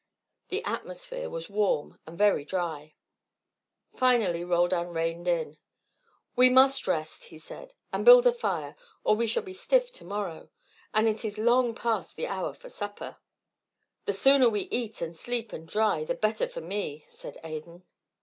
The atmosphere was warm and very dry. Finally Roldan reined in. "We must rest," he said, "and build a fire, or we shall be stiff to morrow. And it is long past the hour for supper." "The sooner we eat and sleep and dry, the better for me," said Adan.